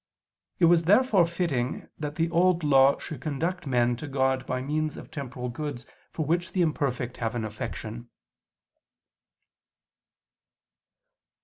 It was therefore fitting that the Old Law should conduct men to God by means of temporal goods for which the imperfect have an affection.